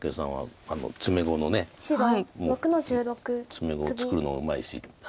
詰碁を作るのうまいし。